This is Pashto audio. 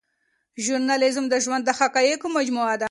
ژورنالیزم د ژوند د حقایقو مجموعه ده.